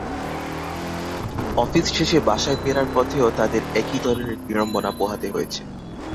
Office শেষে বাসায় ফেরার পথেও তাদের একই ধরনের বিড়ম্বনা পোহাতে হয়েছে।